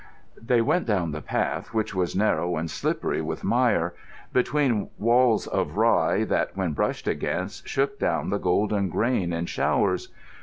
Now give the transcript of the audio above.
They went down the path, which was narrow and slippery with mire, between walls of rye that, when brushed against, shook down the golden rain in showers.